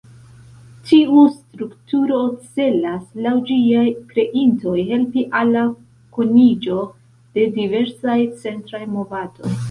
Tiu strukturo celas, laŭ ĝiaj kreintoj, helpi al la kuniĝo de diversaj centraj movadoj.